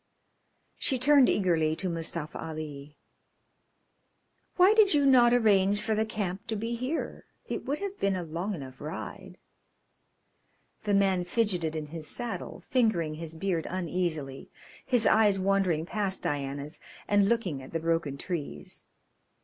She turned eagerly to Mustafa Ali. "Why did you not arrange for the camp to be here? It would have been a long enough ride." The man fidgeted in his saddle, fingering his beard uneasily, his eyes wandering past Diana's and looking at the broken trees.